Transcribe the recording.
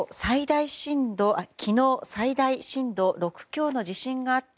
昨日最大震度６強の地震があった